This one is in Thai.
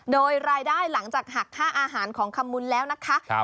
โดยรายได้หลังจากหักค่าอาหารของขมุนแล้วนะคะ